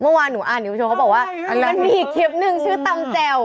เมื่อวานหนูอ่านนิวโชว์เขาบอกว่ามันมีอีกคลิปหนึ่งชื่อตำแจ่ว